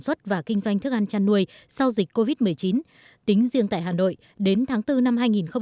xuất và kinh doanh thức ăn chăn nuôi sau dịch covid một mươi chín tính riêng tại hà nội đến tháng bốn năm